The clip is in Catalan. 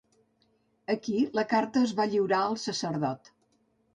Aquí la carta es va lliurar al sacerdot.